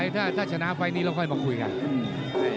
ถ้าชนะไฟล์นี้เราค่อยมาคุยกัน